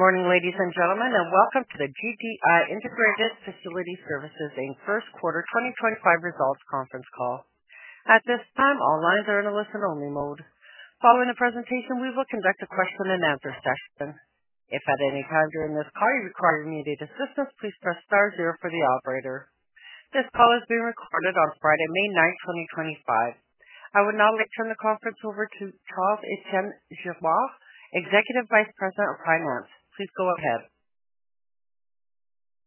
Good morning, ladies and gentlemen, and welcome to the GDI Integrated Facility Services First Quarter 2025 Results Conference Call. At this time, all lines are in a listen-only mode. Following the presentation, we will conduct a question-and-answer session. If at any time during this call you require immediate assistance, please press star zero for the operator. This call is being recorded on Friday, May 9, 2025. I would now like to turn the conference over to Charles-Étienne Girouard, Executive Vice President of Finance. Please go ahead.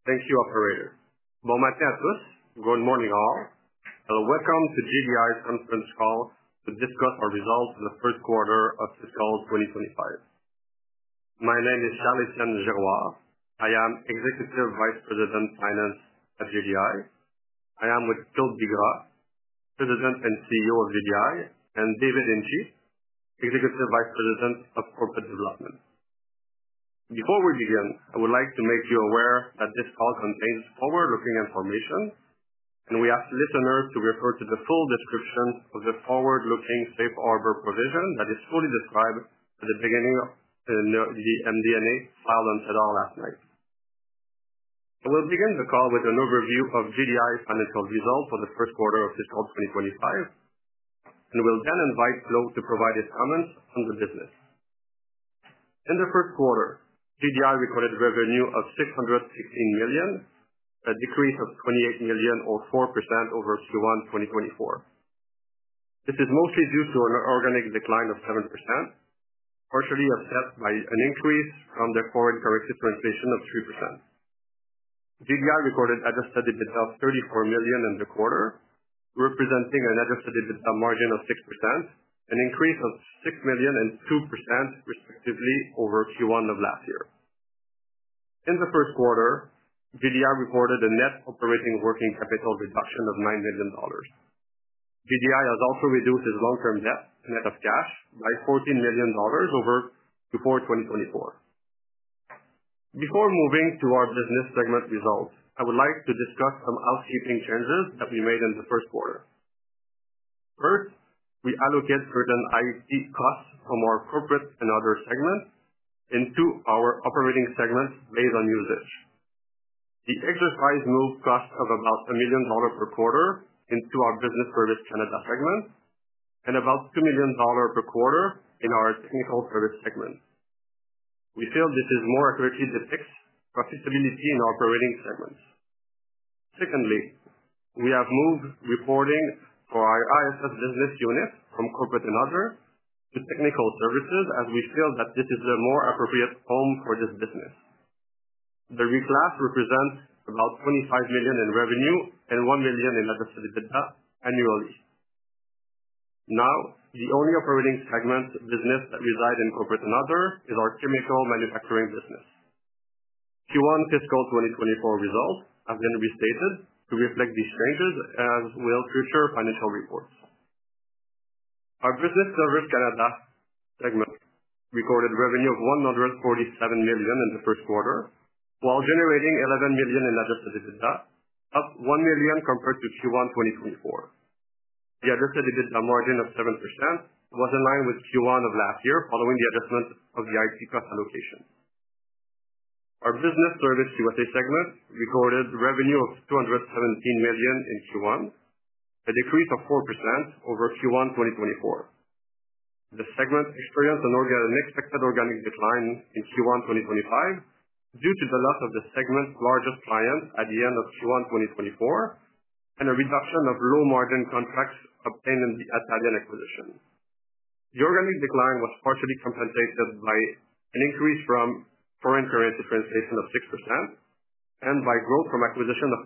Thank you, Operator. Bon matin à tous. Good morning, all. Hello and welcome to GDI's conference call to discuss our results in the first quarter of fiscal 2025. My name is Charles-Étienne Girouard. I am Executive Vice President of Finance at GDI. I am with Claude Bigras, President and CEO of GDI, and David Hinchey, Executive Vice President of Corporate Development. Before we begin, I would like to make you aware that this call contains forward-looking information, and we ask listeners to refer to the full description of the forward-looking safe harbor provision that is fully described at the beginning of the MD&A filed on Saturday last night. I will begin the call with an overview of GDI's financial results for the first quarter of fiscal 25, and will then invite Claude to provide his comments on the business. In the first quarter, GDI recorded revenue of 616 million, a decrease of 28 million, or 4% over Q1 2024. This is mostly due to an organic decline of 7%, partially offset by an increase from the foreign currency translation of 3%. GDI recorded adjusted EBITDA of 34 million in the quarter, representing an adjusted EBITDA margin of 6%, an increase of 6 million and 2%, respectively, over Q1 of last year. In the first quarter, GDI reported a net operating working capital reduction of 9 million dollars. GDI has also reduced its long-term debt, net of cash, by 14 million dollars over Q4 2024. Before moving to our business segment results, I would like to discuss some housekeeping changes that we made in the first quarter. First, we allocate certain IT costs from our corporate and other segments into our operating segments based on usage. The exercise moved costs of about 1 million dollars per quarter into our Business Service Canada segment and about 2 million dollars per quarter in our Technical Service segment. We feel this more accurately depicts profitability in operating segments. Secondly, we have moved reporting for our ISS business unit from corporate and other to Technical Services as we feel that this is a more appropriate home for this business. The reclass represents about 25 million in revenue and 1 million in adjusted EBITDA annually. Now, the only operating segment business that resides in corporate and other is our chemical manufacturing business. Q1 fiscal 2024 results have been restated to reflect these changes as will future financial reports. Our Business Service Canada segment recorded revenue of 147 million in the first quarter, while generating 11 million in adjusted EBITDA, up 1 million compared to Q1 2024. The adjusted EBITDA margin of 7% was in line with Q1 of last year following the adjustment of the IT cost allocation. Our Business Service USA segment recorded revenue of 217 million in Q1, a decrease of 4% over Q1 2024. The segment experienced an unexpected organic decline in Q1 2025 due to the loss of the segment's largest client at the end of Q1 2024 and a reduction of low-margin contracts obtained in the Italian acquisition. The organic decline was partially compensated by an increase from foreign currency translation of 6% and by growth from acquisition of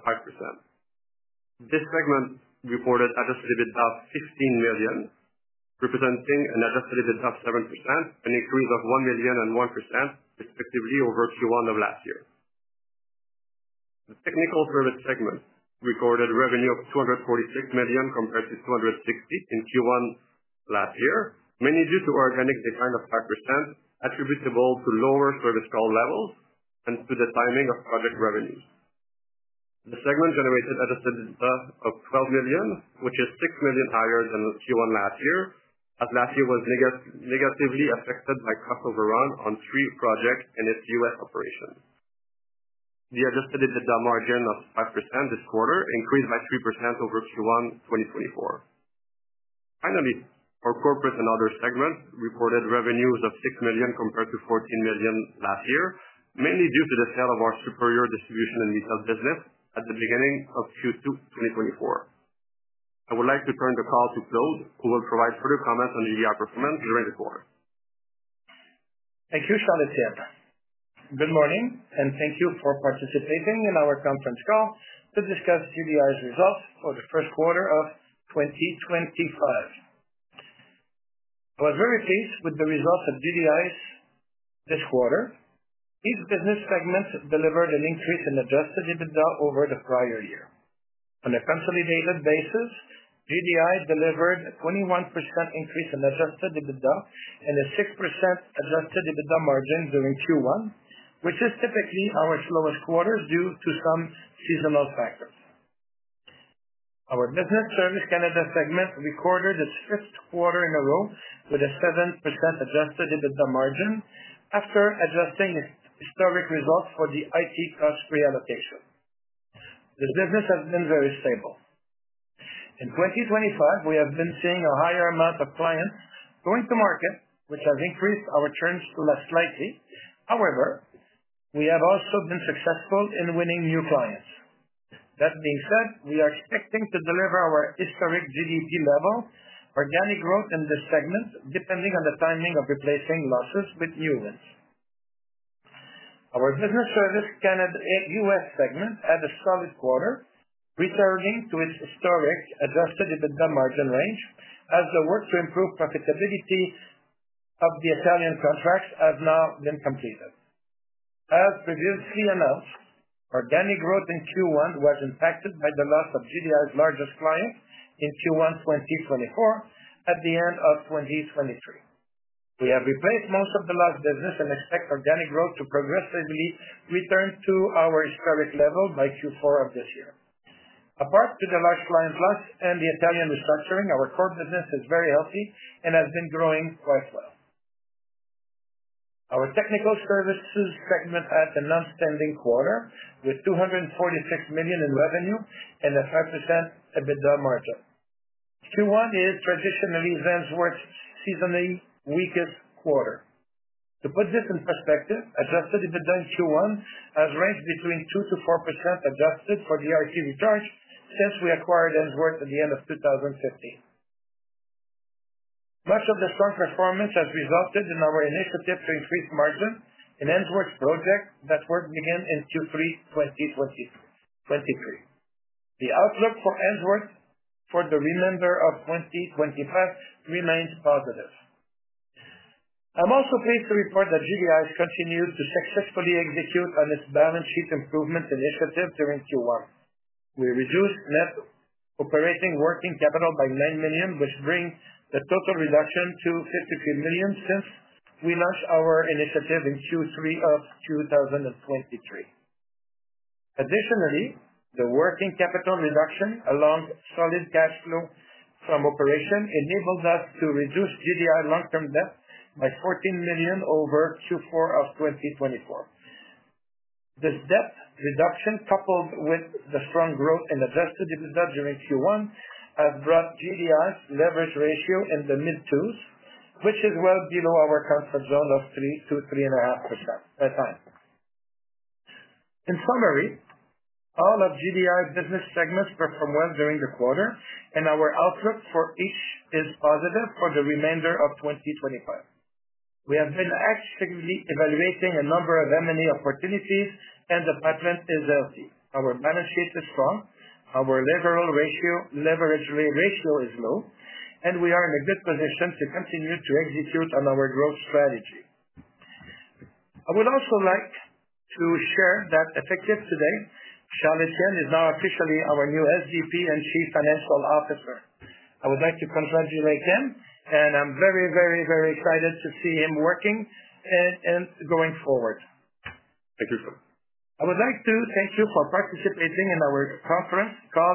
5%. This segment reported adjusted EBITDA of 15 million, representing an adjusted EBITDA margin of 7%, an increase of 1 million and 1%, respectively, over Q1 of last year. The Technical Service segment recorded revenue of 246 million compared to 260 million in Q1 last year, mainly due to organic decline of 5% attributable to lower service call levels and to the timing of project revenues. The segment generated adjusted EBITDA of 12 million, which is 6 million higher than Q1 last year, as last year was negatively affected by cost overrun on three projects and its U.S. operations. The adjusted EBITDA margin of 5% this quarter increased by 3% over Q1 2024. Finally, our corporate and other segments reported revenues of 6 million compared to 14 million last year, mainly due to the sale of our Superior distribution and retail business at the beginning of Q2 2024. I would like to turn the call to Claude, who will provide further comments on GDI performance during the quarter. Thank you, Charles-Etienne. Good morning, and thank you for participating in our conference call to discuss GDI's results for the first quarter of 2025. I was very pleased with the results of GDI this quarter. Each business segment delivered an increase in adjusted EBITDA over the prior year. On a consolidated basis, GDI delivered a 21% increase in adjusted EBITDA and a 6% adjusted EBITDA margin during Q1, which is typically our slowest quarter due to some seasonal factors. Our Business Service Canada segment recorded its fifth quarter in a row with a 7% adjusted EBITDA margin after adjusting its historic results for the IT cost reallocation. This business has been very stable. In 2025, we have been seeing a higher amount of clients going to market, which has increased our churns to less likely. However, we have also been successful in winning new clients. That being said, we are expecting to deliver our historic GDI level, organic growth in this segment, depending on the timing of replacing losses with new wins. Our Business Service Canada U.S. segment had a solid quarter, returning to its historic adjusted EBITDA margin range as the work to improve profitability of the Italian contracts has now been completed. As previously announced, organic growth in Q1 was impacted by the loss of GDI's largest client in Q1 2024 at the end of 2023. We have replaced most of the lost business and expect organic growth to progressively return to our historic level by Q4 of this year. Apart from the large client loss and the Italian restructuring, our core business is very healthy and has been growing quite well. Our Technical Services segment had an outstanding quarter with 246 million in revenue and a 5% EBITDA margin. Q1 is traditionally Ainsworth's seasonally weakest quarter. To put this in perspective, adjusted EBITDA in Q1 has ranged between 2%-4% adjusted for the IT recharge since we acquired Ainsworth at the end of 2015. Much of the strong performance has resulted in our initiative to increase margin in Ainsworth's project that will begin in Q3 2023. The outlook for Ainsworth for the remainder of 2025 remains positive. I'm also pleased to report that GDI has continued to successfully execute on its balance sheet improvement initiative during Q1. We reduced net operating working capital by 9 million, which brings the total reduction to 53 million since we launched our initiative in Q3 of 2023. Additionally, the working capital reduction along solid cash flow from operation enabled us to reduce GDI long-term debt by 14 million over Q4 of 2024. This debt reduction, coupled with the strong growth in adjusted EBITDA during Q1, has brought GDI's leverage ratio in the mid-2s, which is well below our comfort zone of 2%-3.5% at times. In summary, all of GDI's business segments performed well during the quarter, and our outlook for each is positive for the remainder of 2025. We have been actively evaluating a number of M&A opportunities, and the pipeline is healthy. Our balance sheet is strong, our leverage ratio is low, and we are in a good position to continue to execute on our growth strategy. I would also like to share that effective today, Charles-Etienne is now officially our new SVP and Chief Financial Officer. I would like to congratulate him, and I'm very, very, very excited to see him working and going forward. Thank you, sir. I would like to thank you for participating in our conference call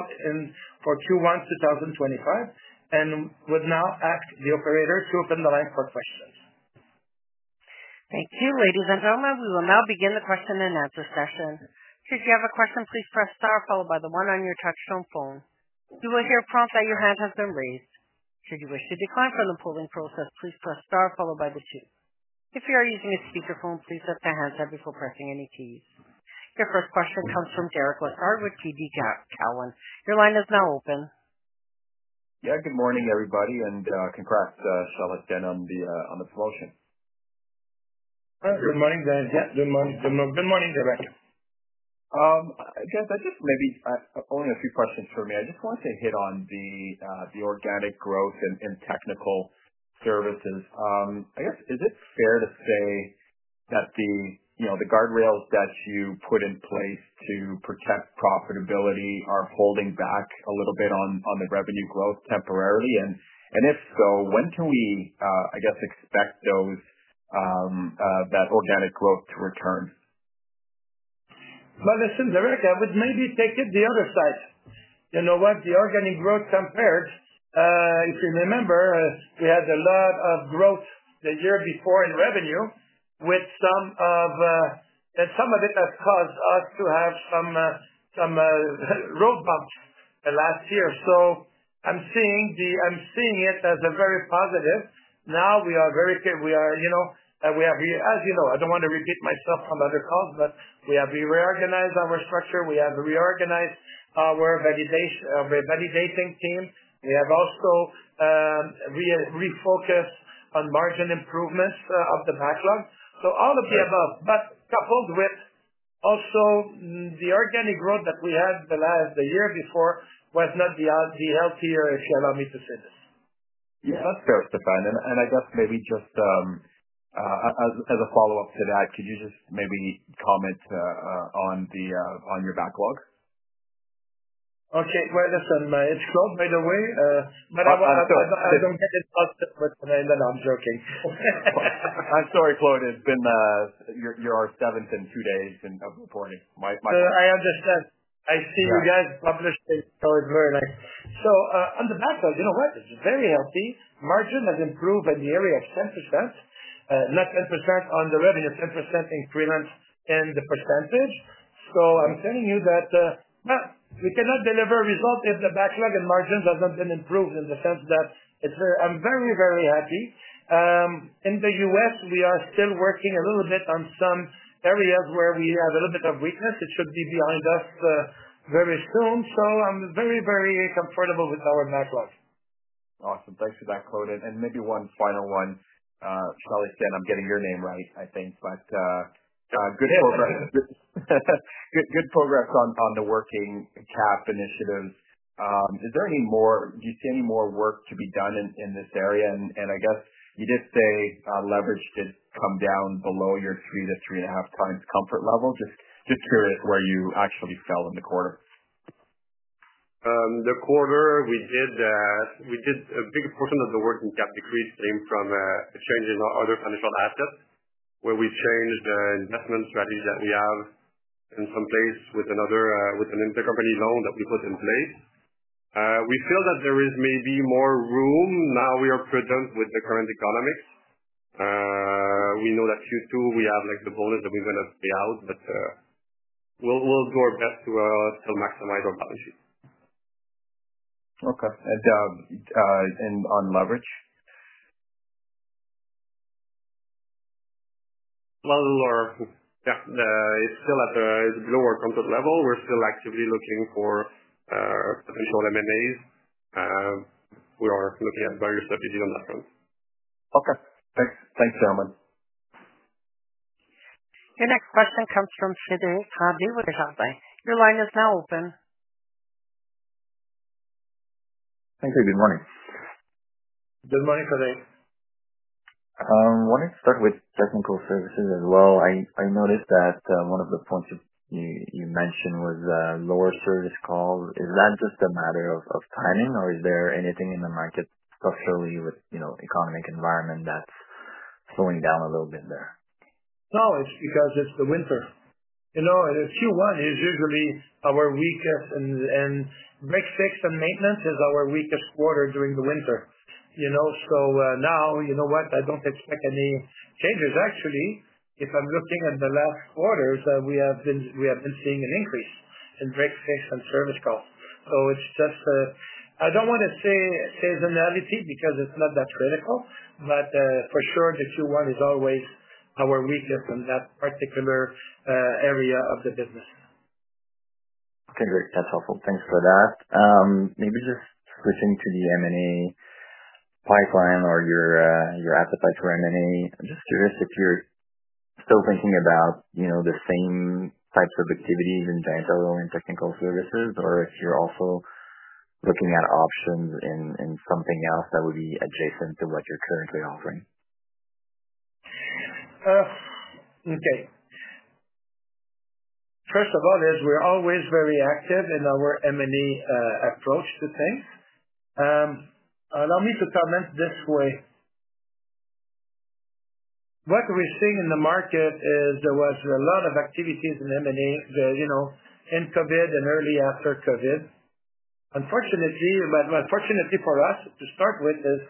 for Q1 2025 and would now ask the Operator to open the line for questions. Thank you. Ladies and gentlemen, we will now begin the question and answer session. Should you have a question, please press star followed by the one on your touch-tone phone. You will hear a prompt that your hand has been raised. Should you wish to decline from the polling process, please press star followed by the two. If you are using a speakerphone, please set the handset up before pressing any keys. Your first question comes from Derek Lessard with TD Cowen. Your line is now open. Yeah, good morning, everybody, and congrats, Charles-Etienne, on the promotion. Good morning, Daniel. Good morning, Derek. I guess I just maybe only a few questions for me. I just wanted to hit on the organic growth and technical services. I guess, is it fair to say that the guardrails that you put in place to protect profitability are holding back a little bit on the revenue growth temporarily? And if so, when can we, I guess, expect that organic growth to return? Listen, Derek, I would maybe take it the other side. You know what? The organic growth compared, if you remember, we had a lot of growth the year before in revenue with some of and some of it has caused us to have some road bumps last year. I am seeing it as very positive. Now we are very good. We are, as you know, I do not want to repeat myself from other calls, but we have reorganized our structure. We have reorganized our validating team. We have also refocused on margin improvements of the backlog. All of the above, but coupled with also the organic growth that we had the year before was not the healthier, if you allow me to say this. Yeah, that's fair, Stéphane. I guess maybe just as a follow-up to that, could you just maybe comment on your backlog? Okay. Listen, it's Claude, by the way. I'm so sorry. I don't get it all, but no, no, no, I'm joking. I'm sorry, Claude. You're our seventh in two days of reporting. I understand. I see you guys publishing, so it's very nice. On the backlog, you know what? It's very healthy. Margin has improved in the area of 10%, not 10% on the revenue, 10% increment in the percentage. I'm telling you that we cannot deliver results if the backlog and margin hasn't been improved in the sense that I'm very, very happy. In the U.S., we are still working a little bit on some areas where we have a little bit of weakness. It should be behind us very soon. I'm very, very comfortable with our backlog. Awesome. Thanks for that, Claude. Maybe one final one, Charles-Etienne. I'm getting your name right, I think, but good progress on the working cap initiatives. Is there any more? Do you see any more work to be done in this area? I guess you did say leverage did come down below your three to three and a half times comfort level. Just curious where you actually fell in the quarter. The quarter, we did a big portion of the working cap decrease came from changing our other financial assets, where we changed the investment strategy that we have in some place with an intercompany loan that we put in place. We feel that there is maybe more room now we are present with the current economics. We know that Q2 we have the bonus that we're going to pay out, but we'll do our best to still maximize our balance sheet. Okay. On leverage? It is still at a below our comfort level. We're still actively looking for potential M&As. We are looking at various strategies on that front. Okay. Thanks, gentlemen. Your next question comes from Frederic Tremblay with Desjardins. Your line is now open. Thank you. Good morning. Good morning, Fede. I wanted to start with technical services as well. I noticed that one of the points you mentioned was lower service calls. Is that just a matter of timing, or is there anything in the market structurally with the economic environment that's slowing down a little bit there? No, it's because it's the winter. Q1 is usually our weakest, and break fix and maintenance is our weakest quarter during the winter. Now, you know what? I don't expect any changes. Actually, if I'm looking at the last quarters, we have been seeing an increase in break fix and service calls. I don't want to say it's a novelty because it's not that critical, but for sure, Q1 is always our weakest in that particular area of the business. Okay, great. That's helpful. Thanks for that. Maybe just switching to the M&A pipeline or your appetite for M&A. I'm just curious if you're still thinking about the same types of activities in general and technical services, or if you're also looking at options in something else that would be adjacent to what you're currently offering. Okay. First of all, as we're always very active in our M&A approach to things, allow me to comment this way. What we're seeing in the market is there was a lot of activities in M&A in COVID and early after COVID. Unfortunately, but fortunately for us, to start with, is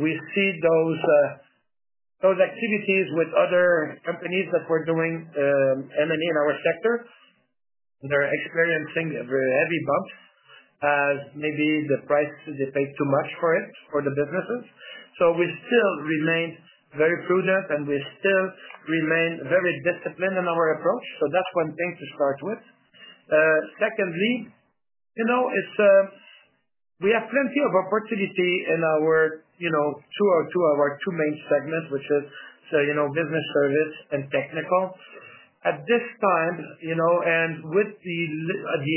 we see those activities with other companies that were doing M&A in our sector. They're experiencing very heavy bumps as maybe the price they paid too much for it for the businesses. We still remained very prudent, and we still remain very disciplined in our approach. That's one thing to start with. Secondly, we have plenty of opportunity in our two main segments, which is business service and technical. At this time, and with the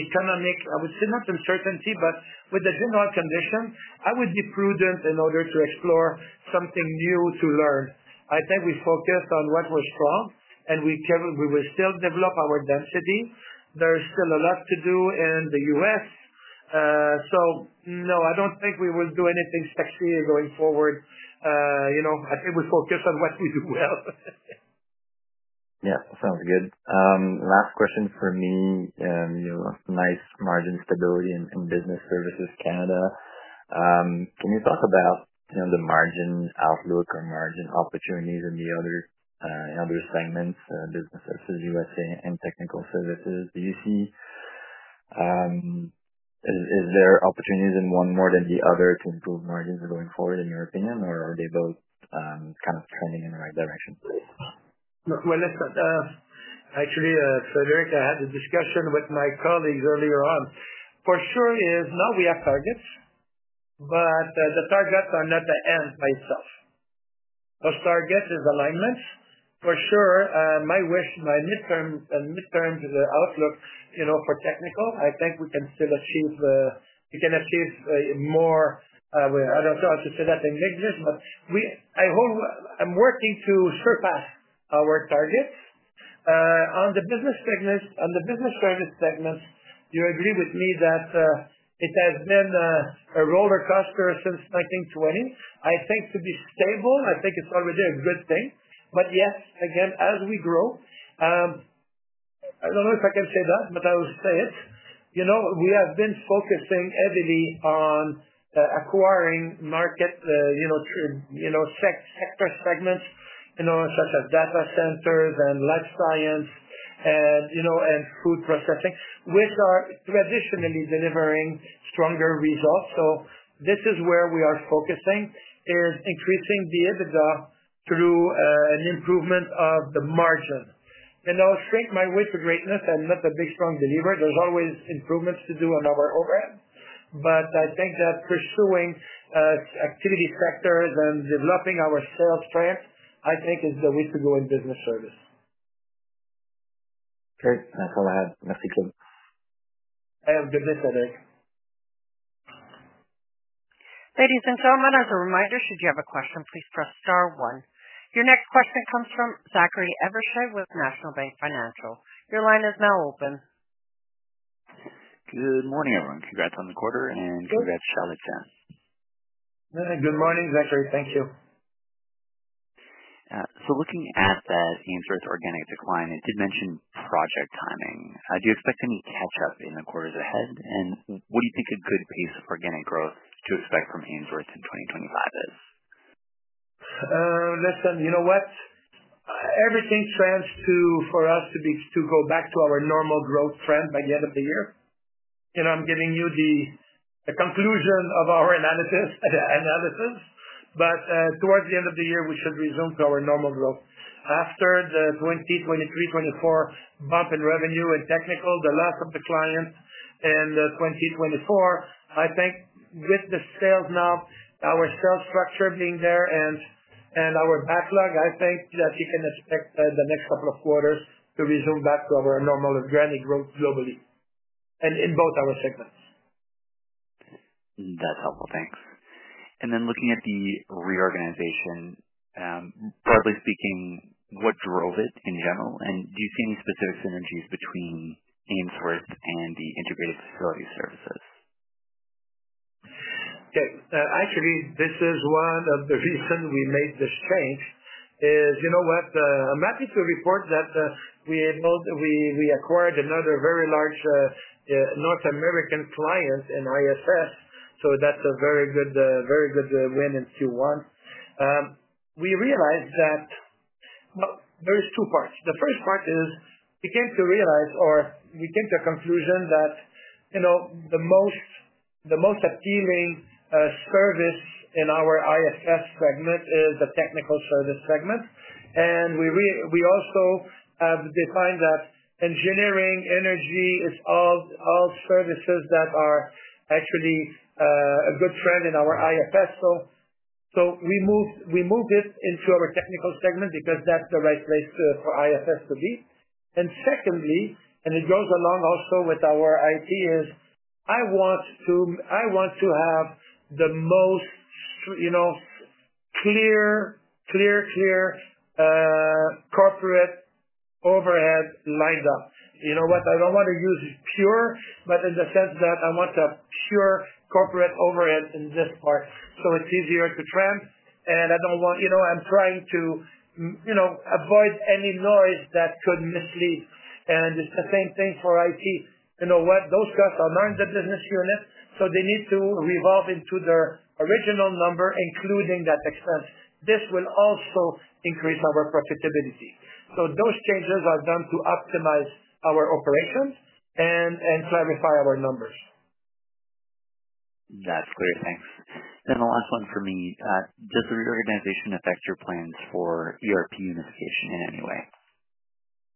economic, I would say not uncertainty, but with the general condition, I would be prudent in order to explore something new to learn. I think we focused on what was strong, and we will still develop our density. There is still a lot to do in the U.S.. No, I do not think we will do anything sexy going forward. I think we focus on what we do well. Yeah, sounds good. Last question for me. Nice margin stability in business services, Canada. Can you talk about the margin outlook or margin opportunities in the other segments, business services, USA, and technical services? Do you see? Is there opportunities in one more than the other to improve margins going forward, in your opinion, or are they both kind of trending in the right direction? Listen, actually, Frederic, I had a discussion with my colleagues earlier on. For sure, now we have targets, but the targets are not the end by itself. Those targets is alignments. For sure, my midterm outlook for technical, I think we can still achieve, we can achieve more. I do not know how to say that in English, but I am working to surpass our targets. On the business service segments, you agree with me that it has been a roller coaster since 20. I think to be stable, I think it is already a good thing. Yes, again, as we grow, I do not know if I can say that, but I will say it. We have been focusing heavily on acquiring market sector segments such as data centers and life science and food processing, which are traditionally delivering stronger results. This is where we are focusing, is increasing the EBITDA through an improvement of the margin. I think my way to greatness, I'm not a big strong believer. There's always improvements to do on our overhead. I think that pursuing activity sectors and developing our sales strength, I think, is the way to go in business service. Great. Thanks a lot. Merci too. Have a good day, Frederic. Ladies and gentlemen, as a reminder, should you have a question, please press star one. Your next question comes from Zachary Evershed with National Bank Financial. Your line is now open. Good morning, everyone. Congrats on the quarter, and congrats, Charles-Etienne. Good morning, Zachary. Thank you. Looking at Ainsworth organic decline, it did mention project timing. Do you expect any catch-up in the quarters ahead? What do you think a good pace of organic growth to expect from Ainsworth in 25 is? Listen, you know what? Everything tends for us to go back to our normal growth trend by the end of the year. I'm giving you the conclusion of our analysis, but towards the end of the year, we should resume to our normal growth. After the 2023, 24 bump in revenue and technical, the loss of the client in 2024, I think with the sales now, our sales structure being there and our backlog, I think that you can expect the next couple of quarters to resume back to our normal organic growth globally and in both our segments. That's helpful. Thanks. Looking at the reorganization, broadly speaking, what drove it in general? Do you see any specific synergies between Ainsworth and the integrated facility services? Okay. Actually, this is one of the reasons we made this change, is you know what? I'm happy to report that we acquired another very large North American client in ISS. That is a very good win in Q1. We realized that there are two parts. The first part is we came to realize or we came to a conclusion that the most appealing service in our ISS segment is the technical service segment. We also have defined that engineering, energy, it's all services that are actually a good trend in our IFS. We moved it into our technical segment because that's the right place for IFS to be. Secondly, and it goes along also with our IT, is I want to have the most clear, clear, clear corporate overhead lined up. You know what? I do not want to use pure, but in the sense that I want to have pure corporate overhead in this part. It is easier to trend. I do not want, I am trying to avoid any noise that could mislead. It is the same thing for IT. You know what? Those guys are not in the business unit, so they need to revolve into their original number, including that expense. This will also increase our profitability. Those changes are done to optimize our operations and clarify our numbers. That's great. Thanks. Then the last one for me. Does the reorganization affect your plans for ERP unification in any way?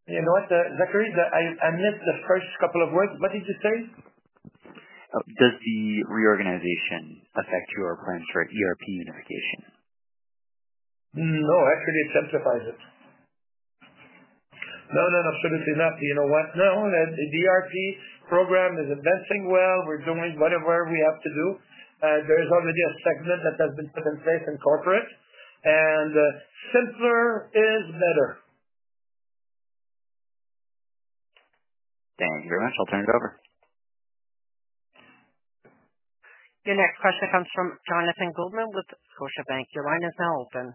You know what, Zachary? I missed the first couple of words. What did you say? Does the reorganization affect your plans for ERP unification? No. Actually, it simplifies it. No, no, no. Absolutely not. You know what? No. The ERP program is advancing well. We're doing whatever we have to do. There is already a segment that has been put in place in corporate, and simpler is better. Thank you very much. I'll turn it over. Your next question comes from Jonathan Goldman with Scotiabank. Your line is now open.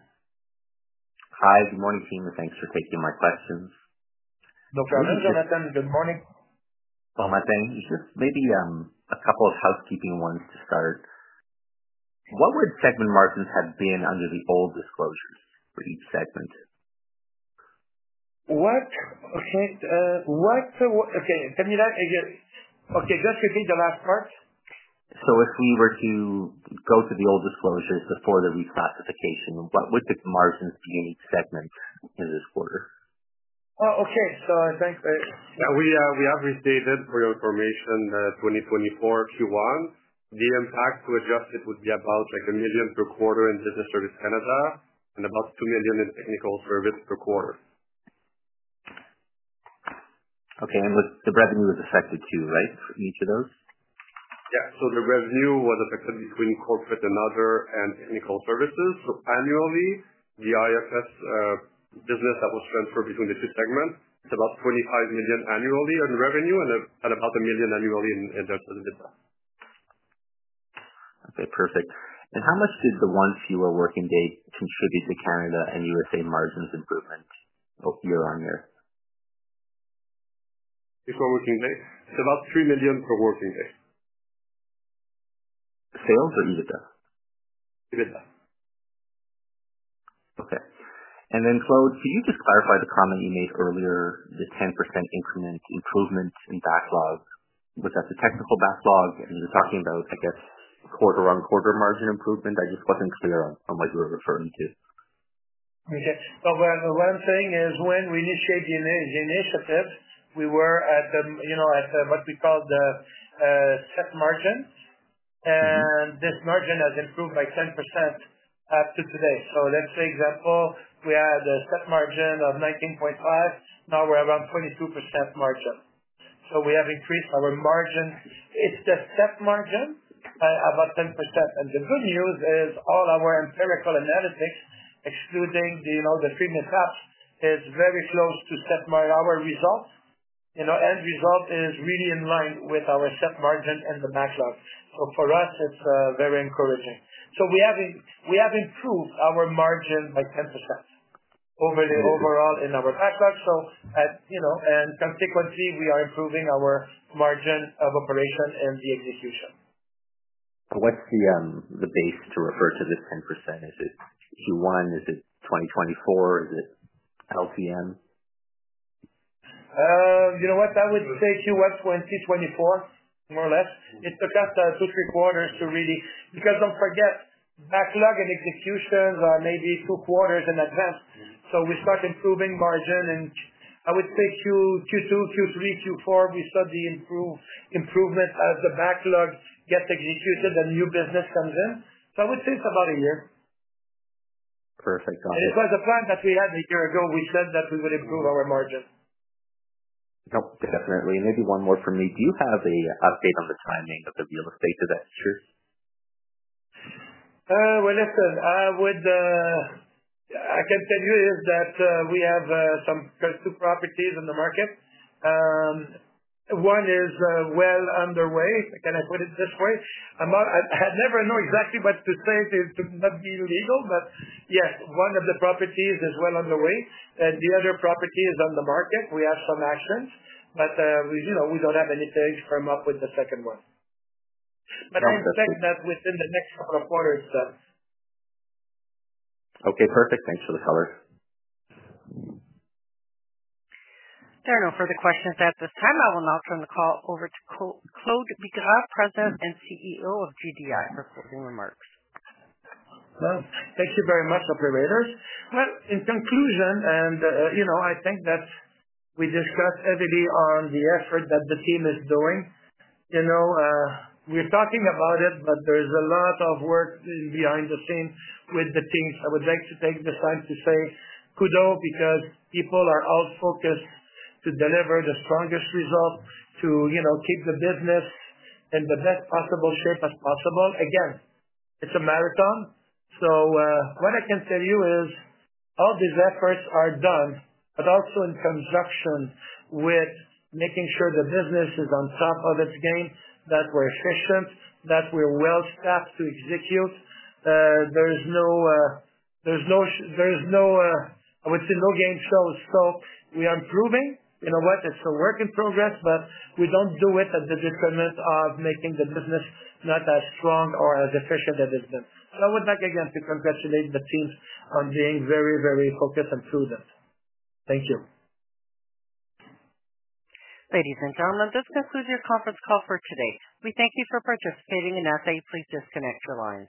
Hi. Good morning, Fema. Thanks for taking my questions. No problem. Hello, Jonathan. Good morning. Thank you. Just maybe a couple of housekeeping ones to start. What would segment margins have been under the old disclosures for each segment? What? Okay. Tell me that again. Okay. Just repeat the last part. If we were to go to the old disclosures before the reclassification, what would the margins be in each segment in this quarter? Oh, okay. So I think, We have restated for your information 2024 Q1. The impact to adjusted would be about 1 million per quarter in business service Canada and about 2 million in technical service per quarter. Okay. The revenue was affected too, right, for each of those? Yeah. The revenue was affected between corporate and other and technical services. Annually, the IFS business that was transferred between the two segments, it's about 25 million annually in revenue and about 1 million annually in EBITDA. Okay. Perfect. How much did the one fewer working day contribute to Canada and USA margins improvement year on year? Fewer working days? It's about 3 million per working day. Sales or EBITDA? EBITDA. Okay. Claude, could you just clarify the comment you made earlier, the 10% increment improvement in backlog? Was that the technical backlog? You were talking about, I guess, Quarter-on-Quarter margin improvement. I just was not clear on what you were referring to. Okay. What I'm saying is when we initiate the initiative, we were at what we call the set margin. This margin has improved by 10% up to today. Let's say, for example, we had a set margin of 19.5%. Now we're around 22% margin. We have increased our margin, it's the set margin, by about 10%. The good news is all our empirical analytics, excluding the FEMA CAPS, is very close to set our result. End result is really in line with our set margin and the backlog. For us, it's very encouraging. We have improved our margin by 10% overall in our backlog. In consequency, we are improving our margin of operation and the execution. What's the base to refer to this 10%? Is it Q1? Is it 2024? Is it LTM? You know what? I would say Q1 2024, more or less. It took us two, three quarters to really because do not forget, backlog and executions are maybe two quarters in advance. We start improving margin. I would say Q2, Q3, Q4, we saw the improvement as the backlog gets executed and new business comes in. I would say it is about a year. Perfect. Got it. It was a plan that we had a year ago. We said that we would improve our margin. Nope. Definitely. Maybe one more from me. Do you have an update on the timing of the real estate disaster? I can tell you is that we have some properties in the market. One is well underway. Can I put it this way? I never know exactly what to say to not be legal, but yes, one of the properties is well underway. The other property is on the market. We have some actions, but we do not have anything firm up with the second one. I expect that within the next couple of quarters, done. Okay. Perfect. Thanks for the color. There are no further questions at this time. I will now turn the call over to Claude Bigras, President and CEO of GDI, for closing remarks. Thank you very much, operators. In conclusion, and I think that we discussed heavily on the effort that the team is doing. We're talking about it, but there's a lot of work behind the scenes with the teams. I would like to take this time to say kudos because people are all focused to deliver the strongest result, to keep the business in the best possible shape as possible. Again, it's a marathon. What I can tell you is all these efforts are done, but also in conjunction with making sure the business is on top of its game, that we're efficient, that we're well-staffed to execute. There's no, I would say, no game shows. We are improving. You know what? It's a work in progress, but we don't do it at the discipline of making the business not as strong or as efficient as it's been. I would like, again, to congratulate the teams on being very, very focused and prudent. Thank you. Ladies and gentlemen, this concludes your conference call for today. We thank you for participating in FA. Please disconnect your lines.